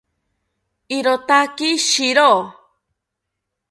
Irotaki shiro